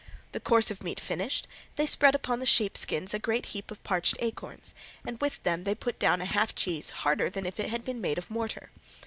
The course of meat finished, they spread upon the sheepskins a great heap of parched acorns, and with them they put down a half cheese harder than if it had been made of mortar.